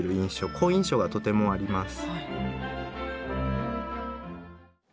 好印象がとてもあります。